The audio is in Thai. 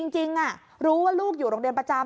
จริงรู้ว่าลูกอยู่โรงเรียนประจำ